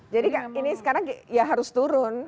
jadi ini sekarang ya harus turun